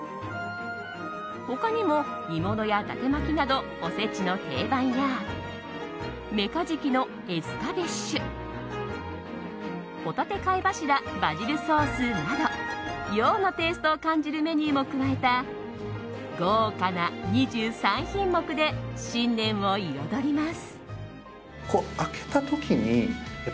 他にも煮物や伊達巻などおせちの定番やメカジキのエスカベッシュ帆立貝柱バジルソースなど洋のテイストを感じるメニューも加えた豪華な２３品目で新年を彩ります。